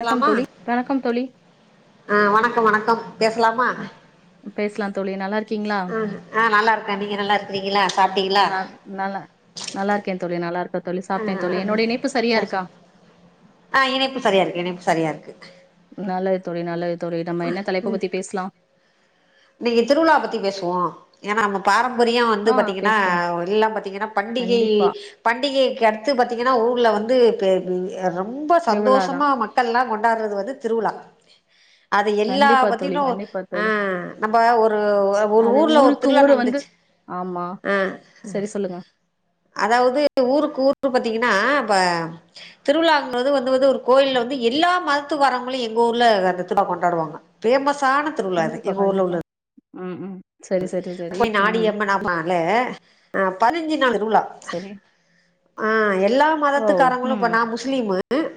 வணக்கம் பேசலாமா தோழி வணக்கம் தோழி ஆஹ் வணக்கம் வணக்கம் பே லாமா பேசலா தோழி நல்லா இருக்கீங்களா ஆஹ் ஆஹ் நல்லா இருக்கேன் நீங்க நல்லா இருக்கிங்களா சாப்பிட்டீங்களா நா நல்லா நல்லா இருக்கே தோழி நல்லா இருக்கே தோழி சாப்ட்டே தோழி ஆஹ் என்னோட இணைப்பு சரியா இருக்கா ஆஹ் இணைப்பு சரியா இருக்கு இணைப்பு சரியா இருக்கு நல்லது தோழி நல்லது தோழி நம்ம என்ன தலைப்பு பத்தி பேசலாம் இன்னைக்கு திருவிழா பத்தி பேசுவோம் ஏன்னா நம்ம பாரம் பரியம் வந்து ஆ பாத்தீங்கன்னா பேசுவோ எல்லா பாத்தீங்கன்னா பண்டிகை கண்டிப்பா பண்டிகைக்கு அடுத்து பாத்தீங்கன்னா ஊர்ல வந் து [unintelligible] ரொம்ப திருவிழாதா சந்தோஷமா மக்கள் எல்லா கொண்டாடுறது வந்து திருவிழா அது எல்லா கண்டிப்பா தோழி பத்தினும் கண்டிப்பா ஆ தோழி நம்ம ஒரு ஒரு அது ஊர்ல ஒரு ஊருக்கு திருவிழா ஊரு வந்து நடந்துச்சு ஆமா ஆ சரி சொல்லுங்க அதாவது ஊருக்கு ஊருக்கு பாத்தீங்கன்னா திருவிழா வந்து வந்து கோயில்ல எல்லா மதத்துகாரங்களும் எங்க ஊர்ல திருவிழா கொண்டாடுவாங்க ஃபேமஸ் காண திருவிழா அது கண்டிப்பா எங்க ஊர்ல கண்டிப்பா உள்ளது ம் ம் சரி சரி சரி போய் நாடி ம் அம்மன் அம்மன் நாளே ஆ பதினஞ்சு நாள் திருவிழா சரி ஆ எல்லா ஓ மதத்துக்காரங்களும் இப்ப ம் நா முஸ்லீமு ம்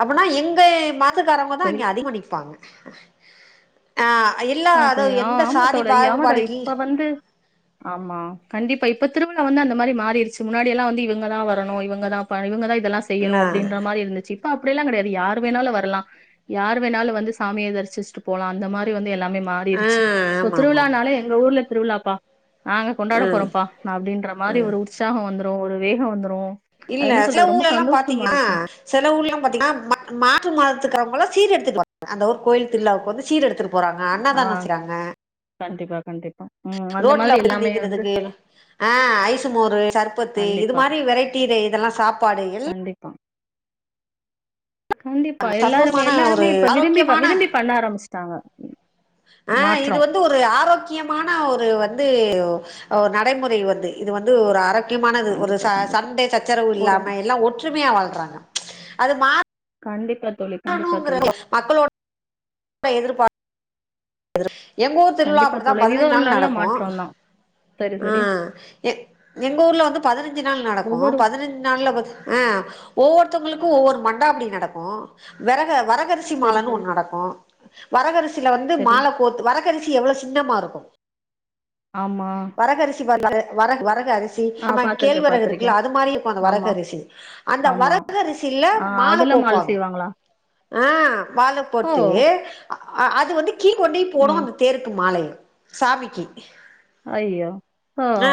அப்டின்னா எங்க ம மதத்துக்காரங்க தான் சரி இங்கே அதிகம் நிப்பாங்க ஆ இல்லா ஆ அப்ப அது எந்த ஆமா சாதி பா தோழி ஆமா தோழி இப்ப வந்து ஆமா கண்டிப்பா இப்ப இப்ப திருவிழா வந்து அந்த மாரி மாறிடுச்சு முன்னாடி எல்லா வந்து இவங்க தா வரும் இவங்க தா இவங்க தான் எல்லா இல்ல செய்யணும் அப்டின்ற மாரி இருந்துச்சி இப்ப அப்டியெல்லாம் கிடையாது யார் வேணாலும் வரலாம் யார் வேணாலும் வந்து சாமிய தரிசிச்சுட்டு போலாம் அந்த மாரி வந்து எல்லா ஆ மாறிடுச்சு ஆமா ஆமா திருவிழா ஆமா நாளே எங்க ஊர்ல திருவிழா பா நாங்க கொண்டாட ம் போறோம்பா அப்டின்ற மாரி ம் ஒரு உற்சாகம் வந்து ஒரு வேகம் வந்துரும் இல்ல சில ஊர்ல எல்லா பாத்தீங்கன்னா சில ஊர் எல்லா பாத்தீங்கன்னா மாற்று மதத்துக்காரங்கள சீர் எடுத்துட்டு போவாங்க அந்த ஊர் கோயில் திருவிழாக்கு வந்து சீர் எடுத்து போறாங்க அன்னதானம் செய்றாங்க கண்ட்டு ரோட்ல [unintelligible] நிக்கிறதுக்கு ஆ ஐஸு மோரு சர்பத்து இது கண்டிப்பா மாரி வெரைட்டி ர இதெல்லா சாப்பாடு எல் கண்டிப்பா கண்டிப்பா எல்லாருமே சந்தோஷமான எல்லாருமே ஒரு இப்ப விரும்பி வ ஆரோக்கியமான விரும்பி பண்ண ஆரம்பிச் டாங்க ஆ இது வந்து ஒரு ஆரோக்கியமான ஒரு வந் து ஒ நடைமுறை வருது இது வந்து ஒரு ஆரோ க்கியமானது ஒரு கண்டிப்பா ச கண்டிப்பா சண்ட சச்சரவு ஒரு இல்லாம எல்லா ஒற்றுமையா வாழ்றாங் அது மா கண்டிப்பா தோழி கண்டிப்பா தோழி [unintelligible] மக்களோட எதிர்பா [unintelligible] எங்க ஊர் திருவிழா கண்டிப்பா அப்புடிதா தோழி இது பதுனஞ்சு ஒரு நாள் நல்ல நடக்கு மாற்றம் தான் சரி ஆ சரி எ எங்க ஊர்ல வந்து பதுனஞ்சு நாள் நடக்கு ஒவ்வொரு பதுனஞ்சு நாள்ல ஆ ஒவ்வொருத்தங்களுக்கு ஒவ்வொரு மண்டாபுடி நடக்கு வெரக வர கரிசி சரி மாலன் சரி ஒன்னு நடக்கு வரகரிசி ச்சுல வந்து சரி மால கோத்து வர கரிசி எவ்ள சின்னமா இருக்கு ஆமா வரகரிசி ப வர வர கு அரிசி ஆ நம்ம பாத்திருக்கேன் கேழ்வரகு பாத்திருக்கேன் இருக்குல்ல அது மாரி இருக்கு அந்த ஆமா வரகரிசி அந்த ஆமா வரகரிசில ஆ மால அதுல மாலை கோப்பாங்க செய்வாங்களா ஆ மால ஓ போட்டு அ அ து வந்து கிளி கொண்டேய் போடு ம் அந்த தேருக்கு மாலைய சாமிக்கி ஐயோ ஓ அ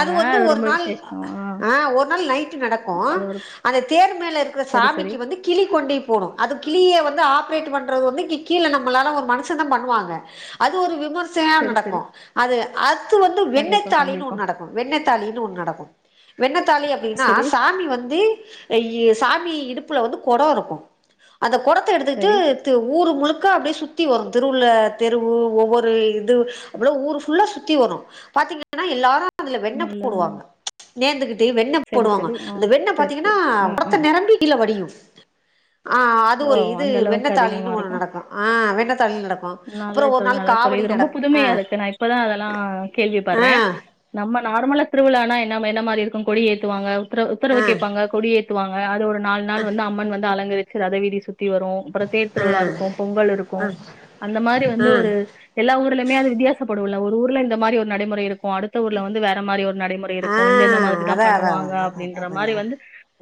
அது வந்து ஒரு ரொம்ப நாள் விசேஷம் ஆ ஒரு நாள் நைட்டு நடக்கு அது ஒரு அந்த தேர் மேல இருக்கேற சரி சரி சாமிக்கு வந்து கிளி கொண்டேய் போடு அது கிளிய வந்து ஆப்பரேட் பண்றது வந்து இங்க கீழ நம்மளால ஒரு மனுசந்தா பண்ணுவாங்க அது ஒரு விமர் சையா சரி சரி நடக்கு அது அ த்து வந்து வெண்ணெய் கண்டிப்பா தாலின் கண்டிப்பா ஒன் நடக்கு வெண்ண தாலின் ஒன் ந நடக்கும் வெண்ணத்தாலி அப்படின்னா சரி சாமி வந்து சாமி இடுப்புல வந்து கொடம் இருக்கும் அந்த கொடத்தை எடுத்துக்கிட்டு சரி து ஊர் முலுக் க அப்டியே சுத்தி வரும் தெருவுள தெருவு ஒவ்வொரு இது அப்பல்லா ஊர் ஃபுல்லா சுத்தி வரும் பாத்தீங்கன்னா எல்லாரும் அதுல வெண்ண நல்லது போடுவாங்க நல்லது நேந்துகிடுச் சு வெண்ண சரி போடுவாங்க சரி ஆ அந்த வெண்ண சரி பாத்தீங்கன்னா சரி ம் கொடத்த ம் நெரம்பி கீழ வடியும் ஆ அது ஓ இது அந்த அளவுக்கு அதிகமா வெண்ணத்தாலின்னு இருக்கும் ஒன்னு நடக்கும் ஆ வெண்ணத்தாலின்னு நடக்கும் அப்புறம் நல்லது ஒரு தோழி நாள் நல்லது தோழி காவடி இது ரொம்ப நடக்கும் ஆ ஆ பற்றேன் நம் நம்ம நார்மலா திருவிலானா என்ன என்ன மாரி இருக்கும் கொடி ஏத்துவாங்க உத்தரவு ஆ கேப்பாங்க கொடியேத் துவாங்க அது ஒரு ரெண் நாலு நாள் வந்து அம்மன் வந்து அலங்கரி சில அத விட சுத் த்தி வரும் அப்புறம் தேர் ஆ திருவிழா இருக்கும் பொங்கல் இருக்கும் அந்த மாரி வந்து ஆ ஒரு எல்லா ஊர்லயுமே அது வித்தியாச போடுவோம்ல ஒரு ஊர்ல இந்த மாரி ஒரு நடைமுறை இருக் அடுத்த ஊர்ல வந்து வேற மாரி ஒரு நடைமுறை ஆ இருக்கும் இந்த இந்த மாரி தான் அதா அதா பண்ணுவாங்க அதா அதா அப்படின்ற அதா மாதிரி வந்து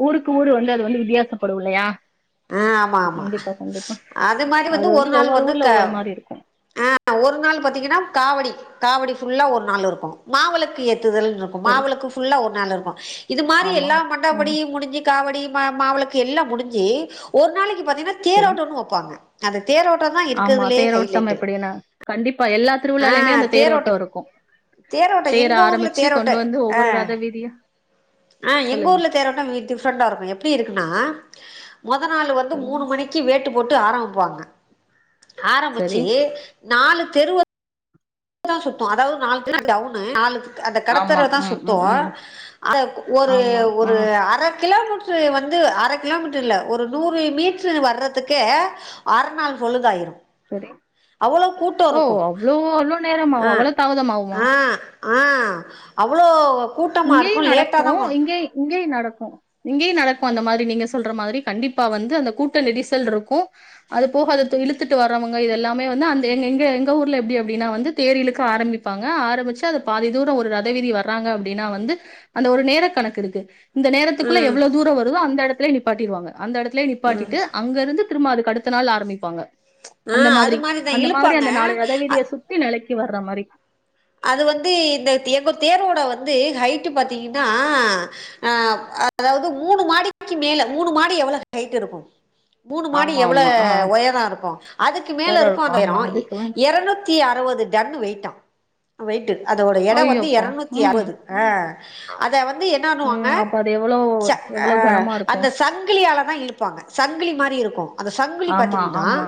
ஊருக்கு ஊரு வந்து அது வந்து வித்தியாசப்படும் இல்லையா ஆ ஆமா ஆமா கண்டிப்பா கண்டிப்பா அது மாதிரி வந்து ஒரு நாள் ஒவ்வொரு வந்து ஊர்ல க ஒவ்வொரு மாரி இருக்கு ஆ ஒரு நாள் பாத்தீங்கன்னா காவடி காவடி ஃபுல்லா ஒரு நாள் இருக்கும் மாவலுக்கு ஏத் துதல் இருக்கும் சரி மாவிளக்கு ஃபுல்லா ஒரு நாள் இருக்கும் இது மாரி ஆமா எல்லா ம் மண்டாபடியும் முடிஞ்சு காவடி மா மாவிளக்கு எல்லாம் முடிஞ்சு ஒரு நாளைக்கு பாத்தீங்கன்னா சரி தேரோட்டன்னு வப்பாங்க அது ஆமா தேரோட்டம் எப்டின்னா கண்டிப்பா எல்லா ஆ திருவிலாலயுமே அந்த தேரோட்ட தேரோட்டம் இருக்கும் தேரோட்ட தேர் எங்க ஊர்ல ஆரம்பிச்சு தேரோட்ட கொண்டு வந்து ஆ ஒவ்வொரு ரதவீதியா ஆ எங்க ஊர்ல தேரோட்டோ வி டிஃப்ரெண்ட்டா இருக்கு எப்பிடி இருக்குன்னா மொத நாள் வந்து சொல்லுங்க மூணு மணிக்கு வேட்டு போட் ட்டு ஆரம்பிப்பாங்க சரி ஆரம்பிச்சி நாலு தெருவத்த த்தா சுத்தும் அதாவது நாலு தெரு டவுனு நாலு தெ அந்த ஆமா கடத்தறவதா ம் ம் சுத்துவோ ம் அத் ஒரு ஆமா ஆ ஒரு அர கிலோமீட்டரு வந்து அர கிலோமீட்டருயில்ல ஒரு நூறு மீட்டருவர்றதுக்கே அர நாள் பொழுதாயிரு பெரி ஓ அவ்ளோ அளோ ஆ நேரமாவு அவ்ளோ தாமதமாவுமா ஆ ஆ அவ்ளோ இங்ககேய் நடக்கோ இங்கெய் இங்கெய் நடக்கோ இங்கயே நடக்கோ அந்த மாரி நீங்க சொல்ற மாரி கண்டிப்பா வந்து அந்த கூட்ட நெரிசல் இருக்கு அது போக அது அதது இழுத்துட்டு வரவங்க இதெல்லாமே வந்து அந்த எங்க எங்க எங்க ஊர்ல எப்பிடி அப்பிடின்னா வந்து தேர் இழுக்க ஆரமிப்பாங்க ஆரம்பிச்சி அது பாதி தூரோ ஒரு ரதவீதிவர்றாங்க அப் ப்பிடின்னா வந்து அந்த ஒரு நேர கணக்குயிருக்கு இந்த நேரத்துகுள்ள ம் எவ்ளோ தூரோ வருதோ அந்த எடத்துலயே நிப் - ப்பாட்டிருவாங்க அந்த எடத்துலயே நிப்பாட்டிட்டு அங்க இருந்து திரும்ப அதுக்கடுத் த்த நாள் ஆரமிப்பாங்க ஆ அந்த அது மாதிரி மாரிதான் அந்த மாரி அந்த நாலு இழுப்பாங்க ரதவீதிய சுத்தி நெலை த்திவர்ற மாரி ந்து ஹைட்டு பாத்தீங்கன்னா ஆ அதாவது மூணு மாடிக்கு மேல மூணு மாடி எவ்வளவு ஹைட் இருக்கு மூணு மாடி ஆமா எவ்ள ஆமா ஆ ஒயரோ இருக்கோ அதுக்கு வேற மேலயிருக்கோ இருக்கும் அந்த ஒயரோ ஆமா அதுக்கு எரநூத்தி அறுவதுடன்னு வெயிட்டா வெயிட்டு அதோட எட வந்து ஐயோப்பா! எரநூத்தி அ ம், ப்பது ஆ அத வந் தி என்னன்னுவாங்க ம். அப்ப அது எவ்ளோ ச ஆ எவ்ளோ கனமா அந்த இருக்கும். சங்கிலியாலதா இழுப்பாங்க சங்கிலி மாரி இருக்கோ அந்த சங்கிலி ஆமா, பாத்தீங்கன்னா ஆமா.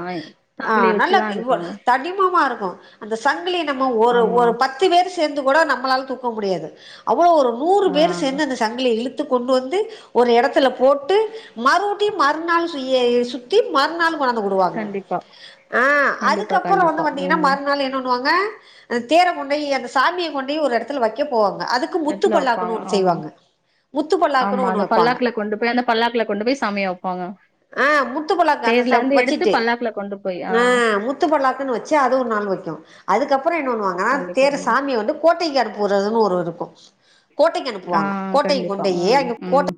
அ சங்கிலி வச்சு தான் நல்லவ்வோ எடுப்பாங்க. தடிமமாருக்கோ அந்த சங்கிலி நம்ம ஒரு ஆமா. ஒரு பத்து பேர் சேர்ந்து கூட நம்மளால தூக்க முடியாது அவ்ளோ ஒரு நூறு ஆ பேர் சேர்ந்து அந்த சங்கிலிய இழு த்து கொண்டு வந்து ஒரு எடத்துலப் போட்டு மறு த்தி மறுநாள் சிய்யேயே சுத்தி மறுநாள் கொனாந்துவுடுவாங்க கண்டிப்பா, ஆ கண்டிப்பா, அதுக்கப்புறோ வந்து கண்டிப்பா. வாத்தீங்கன்னா ம். மறுநாள் என்னண்ணுவாங்க அ தேர கொண்டு போயி அந்த சாமிய கொண்டு போயி ஒரு எடத்துல வெக்கப் போவாங் க. அதுக்கு முத்து எத்துல பல்லாக்குன்னு வப்பாங்க. ஒன்னு ஆமா, செய்வாங்க. முத்து ஆமா. பல்லாக்குன்னு ஒன்னு அந்த வெப்பாங்க. பல்லாக்குல கொண்டு போய் அந்த பல்லாக்குல கொண்டு போய் சாமிய வப்பாங்க. ஆ முத்து பல்லாக்கு. அந்த ச தேர்லருந்து எடுத்து வெச்சுட்டு பல்லாக்குல கொண்டு போய் ஆ முத்து பல்லாக்குன்னு வெச்சு அதுவு ஒரு நாள் வைக்கு. அதுக்கப்புறோ என்ன பண்ணுவாங்கனா கண்டிப்பா, தேர கண்டிப்பா. சாமிய வந்து கோட்டை கரு போறதுன்னு ஒரு இருக்கு கோட்டைக்கு ஆ அனுப்புவாங்க. கோட்டைக்கு கண்டிப்பா. கொண்டு போயி ம், அங்க கோட்ட ம்.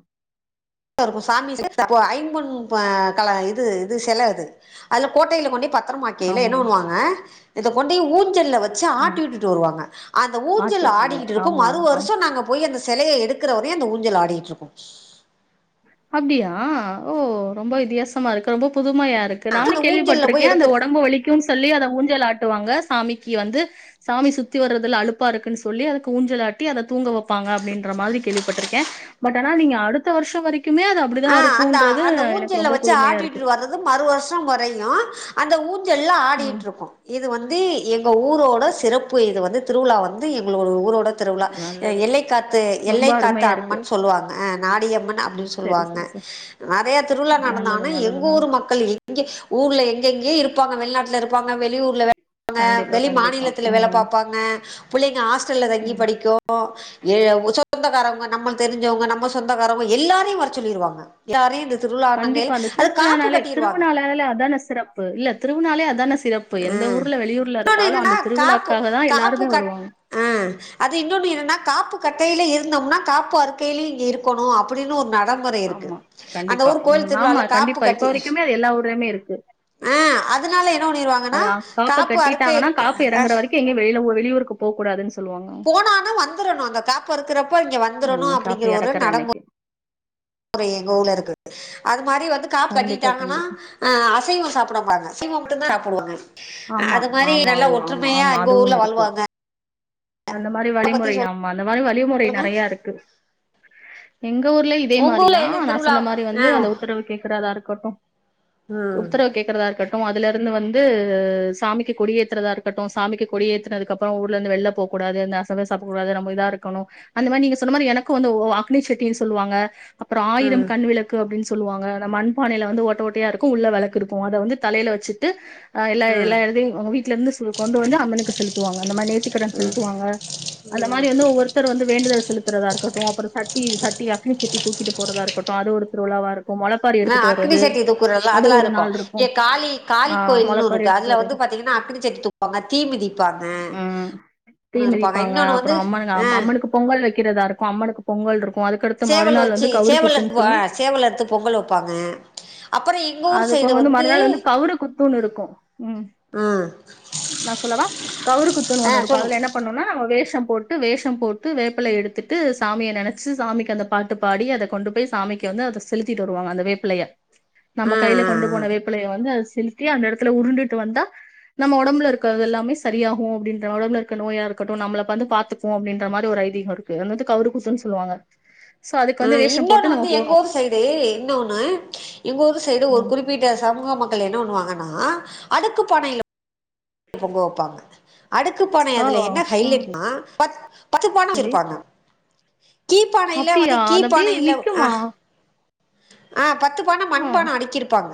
இருக்கு சாமி [inaudible] அப்போ ஐம்பொன் ப கல இது இது செல அது அதுல கோட்டையில கொண்டு போய் ப த்தரமா வைக்கயில என்ன ஆமாங்க. பண்ணுவாங்க இத கொண்டு போய் ஊஞ்சல்ல வ ச்சு ம். ஆட்டிவிட்டுட் டு வருவாங்க அந்த ஊஞ்சல் ஆத்துவாங்க. ஆடிக்கிட்டு இருக்கு மறு ஆமா, வருஷோ நாங்க போய் அந்த செலய எடுக்கிற வரையு அந்த ஊஞ்சல் ஆடிட்ருக்கு அப்டியா ஓ ரொம்ப வித்தியாசமா இருக்கு ரொம்ப புது மையா இருக்கு நானு அந்த ஊஞ்சல்ல கேள்விப்பட்டிருக்கே போய் அந்த எடுக்கிற ஒடம்பு வலிக்குன்னு சொல்லி அத ஊஞ்சல் ஆட் டுவாங்க சாமிக்கு வந்து சாமி சுத்தி வர்றதுல அலுப்பா இருக்குன்னு சொல்லி அதுக்கு ஊஞ்சல் ஆட்டி அத தூங்க வப்பாங்க அப்டின்ற மாதிரி கேள்வி பட்ருக்கே பட் ஆனா நீங்க அடுத்த வர்ஷோ வரைக் ஆ அந்த அந்த ஊஞ்சல்ல ரொம்ப வச்சு புதுமையா இருக்கு. ஆட்டிட்டு வர்றது மறு வர்ஷோ வரையு அந்த ஊ ஞ்சல்ல ம். ஆடிட்ருக்கு இது வந்து எங்க ஊரோட சிறப்பு இது வந்து திருவிழா வந்து எங்களோட ஊரோ ட திருவிழா அ நல்லது. எல்லை காத்து ரொம்ப எல்லை காத்த அருமையா இருக்கு. அம்மன்னு சொல்லுவாங்க ஆ நாடியம்மன் அது சரி, சொல்வாங்க சரி, சரி. நெறய திருவிழா நல்லது, நடந்தாலு நல்லது, எங்க ஊரு நல்லது. மக்கள் எங்க ஊர்ல எங்கெங்கயோ இரு ப்பாங்க வெளிநாட்ல இருப்பாங்க வெளியூர்ல வே ங்க கண்டிப்பா, வெளி கண்டிப்பா. மாநிலத்துல வேல ம், பாப்பாங்க புள்ளைங்க ஹாஸ்டல்ல தங்கி ம். படிக்கு எ சொ ந்தகாரவுங்க நம்மளுக்கு தெரி்ஞ்சவங்க நம்ம சொந்தக்காரவங்க எல்லாரையும் வர ச்சொல்லிருவாங்க [unintelligible] இந்த திருவிழா நாங்கள் கண்டிப்பா அந்த அது காப்பு திருவிழானாலே கட்டிடுவாங்க திருவிநாளாலே அதான சிறப்பு இல்ல திருவிநாளே அது தான சி ம் இன்னொன்னு என்னன்னா காப்பு திருவிழாக்காக தான் காப்பு எல்லாருமே க வருவாங்க. அ அது இன்னொன்னு என்னனா காப்பு கட்டையில இருந்தொம்னா காப்பு அறுக்கயில இங்க இருக்கணு அப்புடின்னு ஒரு ந டமுறை இருக்கு ஆமா. அந்த கண்டிப்பா. ஊர் கோயில் ம். ஆமா திருவிழால காப்பு கண்டிப்பா. இப்ப கட்டி வரைக்குமே அது எல்லா ஊர்லயுமே இருக்கு. ஆ அதுனால என்ன பண்ணிருவா னானா அது அ காப்ப காப்பு அறுக்க கட்டிட்டாங்கன்னா, காப்பு அ இறங்குற வரைக்கும் எங்கயும் வெளியில ஊ- வெளியூருக்கு போக் கூடாதுன்னு சொல்லுவாங்க. போனாலு வந்துரணு அந்த காப்பு அறுக்குறப்ப இங்க வந்துரணு ம். காப்பு அப்புடிங்கற ஒரு இறக்குற நடமு அன்னைக்கு. ற எங்க ஊர்ல இருக்கு அது மாரி வந்து காப்பு கண்டிப்பா, கட்டிட்டாங்கனா கண்டிப்பா. அ அசைவொ சாப்டமாட்டாங்க சைவொ மட்டுந்தா சாப்டுவாங்க ஆமா, அது மாரி ஆமா, நல்ல ஆமா, ஆமா, ஒற்றுமையா ஆமா. எங்க ஊர்ல அதுவும் இருக்கு. வாழ்வாங்க அந்த மாரி அத பத்தி வழிமுறை சொல் ஆமா அந்த மாரி வழிமுறை நறையா இருக்கு எங்க ஊர்ல இதே உங்க ஊர்ல மாரிதா எது நா திருவிழா சொன்ன மாரி வந்து ஆ அந்த உத்தரவு கேக்குறதா இரு க்கட்டு ம் உத்தரவு கேக்கறதா இருக்கட் டு அதுலருந்து வந்து சாமிக்கு கொடி ஏத்துறதா இருக்கட்டு சாமிக்கு கொடி ஏத்துனதுக்கப்றோ ஊர்ல இருந்து வெள்ல போ கூடாது அந்த அசைவ சாப்டக்குடாது நம்ம இதா இருக்கனு அந்த மாரி நீங்க சொன்ன மாரி எனக்கு வந்து அக்னி சட்டின் சொல்லுவாங்க அப்றோ ஆயிரம் ம் கண் விளக்கு அப்டின் சொல்லுவாங்க அந்த மண் பானைல வந்து ஓட்ட ஓட்டயா இரு க்கு உள்ள வெளக்கு இருக்கு அத வந்து தலைல வச்சுட்டு ஆ எல்லா ம் எல்லா எடத்தையு ஒங்க வீட்லருந்து கொண்டு வந்து அம்மனுக்கு செலுத்துவாங்க அந்த மாரி நே த்திகடன் செலுத்துவாங்க அந்த மாரி வந்து ஒவ்வொருத்தர் வந்து வேண்டுதல் செலுத்துறதாருக்கட்டு அப்பறொ சட்டி சட்டி அக்னி சட்டி தூக்கிட்டு போறதா இருக்கட்டு அது ஒரு திருவிழாவா இரு ஆ அக்னி சட்டி தூக்குறல்லா அதல்லா ஒரு இருக்கு நாள் இருக்கும் இங்க காளி ஆ காளி கோயில்னு முளைப்பாரி ஒன்னுருக்கு எடுத்துட்டு அதுல வர்றது வந்து பாத்தீங்கனா அக்னி சட்டி தூக்குவாங்க தீ மிதிப்பாங்க ம் தீ ன்னு இருப்பாங்க மிதிப்பாங்க இன்னொன்னு அப்பறொ வந்து அம்மனுக்கு ஆ அம்மனுக்கு பொங்கல் வைக்கிறதா இருக்கு அம்மனுக் கு பொங்கல்ருக் கு அதுகடுத்த சேவல் மறுநாள் வந்து வச்சு கவுறு சேவல் குத்துன் எடுத்து ஆ சொல்லி சேவல் எடுத்து பொங்கல் வைப்பாங்க அப்புறோ எங்க ஊர் அது போக சைடு வந்து மறுநாள் வந்து கவுறு குத்துன் இருக்கு ம் ம் நா சொல்லவா கவுறு குத்துன் ஆ ஒன்னு இரு சொல்லுங்க கதுல என்ன பண்ணுன்னா வேஸ் ஷம் போட்டு வேஷம் போட்டு வேப்பிலய எடுத்துட்டு சாமிய நெனச்சு சாமிக்கு அந்த பாட்டு பாடி அத கொண்டு போய் சாமிக்கு வந்து அத செலுத்திட்டு வருவாங்க அந்த வேப்பிலய நம்ம ஆ கையில ஆ கொண்டு ஆ போன வேப்பிலய வந்து அது செலுத்தி அந்த இடத்ல உருண்டுட்டு வந்தா நம்ம ஒடம்புல இருக்க எல்லாமே சரியாகு அப்டின்ற அளவுல்ல இரு க்கு நோயா இருக்கட்டு நம்மள வந்து பாத்துக்கு அப்டின்ற மாரி ஐதீகொ இருக்கு அத வந்து கவுரு குத்துன் சொல்லுவாங்க சோ அதுக்கு அ வந்து வேஷம் இன்னொன்னு போட்டு நம்ம வந்து எங்க போனு ஊரு சைடு இன்னொன்னு எங்க ஊரு சைடு ஒரு ம் குறிப்பிட்ட சமூக மக்கள் மக்கள் என்ன பண்ணுவாங்கன்னா அடுக்கு பானையில பொங்க வெப்பாங்க அடுக்கு பானை ஓ அதுல என்ன ம் ஹைலைட்னா பத் பத்து பான சரி வச்சிருப்பாங்க [inaudible] கீ பானைல அப்டியா வந்து கீ அது அப்டியே பானைல ஆ நிக்குமா ஆ பத்து பத்து பான ஆ மண்பான அடிக்கிருப்பாங்க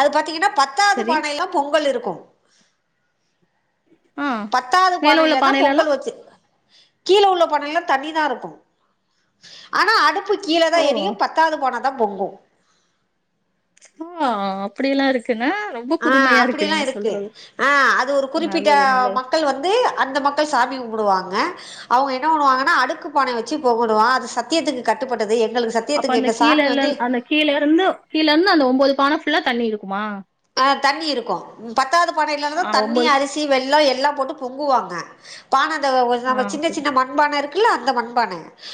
அது பாத்தீங்கன்னா பத்தாவது சரி பானையில்ல பொங்கல் இருக்கு க்கு ஆ பத்தாவது மேல உள்ள பானையிலதா பானைலலா பொங்கல் வச்சு கீழ உள்ள பானைல்லா தண்ணி தா இருக்கு ஆனா அடுப்புக்கு கீழ தா ஓ எரியு பத்தாவது பான பொங்கு ஆ அப்டியெல்லா இருக்குன்னா ரொம்ப ஆ புதுமையா அப்டிய யெல்லா நீங்க இருக்கு சொல்றது ஆ அது ஒரு குறிப்பிட்ட நல்லது நல்லது மக்கள் வந்து அந்த மக்கள் சாமி கும்பிடுவாங்க அவுங்க என்ன பண்ணுவாங்கன்னா அடுக்கு பானய வச்சு கும்புடு ஓ அது சத்தியத்துக்கு கட்டுப்பட்டது எங்களுக்கு அப்ப சத்தியத்துக்கு அந்த எங்க கீழ சாமி வந்து அந்த கீழ இருந்து கீழ இருந்து அந்த ஒம்போது பான அது புள்ளா தண்ணி இருக்குமா ஆ தண்ணி இருக்கு பத்தாவது பானைல்லா தா ஆ தண்ணி ஒன்பது அரிசி வெள்ளோ எல்லா போட்டு பொங்குவாங்க பான ஆ நம்ம சின்ன சரி சின்ன மண்பான இருக்கு இல்ல அந்த மண்பான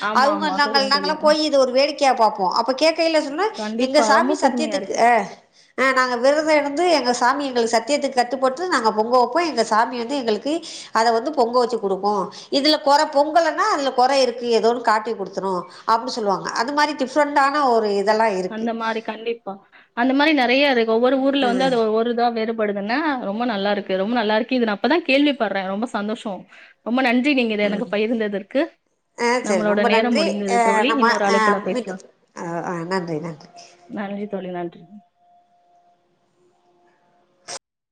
ஆமா அவுங்க ஆமா தெரியு நாங்கள் நாங்கல்லா தெரியு ஆ போய் இது ஒரு வேடிக்கையா பார்போ அப்ப கேக்கையில சொன்னா எங்க கண்டிப்பா ரொம்ப சாமி புதுமையா சத்தியத்துக்கு இருக்கு ஆ நாங்க ந்து எங்க சாமி எங்களுக்கு சத்தியத்துக்கு கட்டுப்பட்டு நாங்க பொங்க வெப்போ எங்க சாமி வந்து எங்களுக்கு அத வந்து பொங்க வச்சு குடுக்கு இதுல கொற பொங்கலைன்னா அது கொற இருக்கு ஏதோன்னு காட்டி குடுத்துரு அப்டின்னு சொல்லுவாங்க அது மாதிரி டிஃரெண்டான ஒரு இதெல்லா இருக்கு அது மாரி நெறயா இருக்கு ஒவ்வொரு ஊர்ல வந்து அது ஒவ்வொரு இதா வெறும் படுதுன்னா ரொம்ப நல்லா இருக்கு ரொம்ப நல்லா இருக்கு இது நா இப்பதா கேள்விப்பற்ற ரொம்ப சந்தோஷோ ரொம்ப நன் றி நீங்க இத ஆ ஆ எனக்கு பயிர்ந்ததற்கு ஆ சரி நம்மளோட ரொம்ப நேரம் முடிந்தது தோழி இன்னொரு அழைப்புல பேஸ் ஆ ஆ நன்றி நன்றி நன்றி தோழி நன்றி